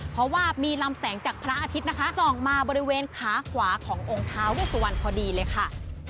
เพราะว่ามีลำแสงจากพระอาทิตย์นะคะส่องมาบริเวณขาขวาขององค์ท้าเวสวันพอดีเลยค่ะ